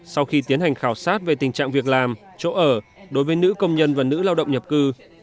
sau khi tiến hành khảo sát về tình trạng việc làm chỗ ở đối với nữ công nhân và nữ lao động nhập cư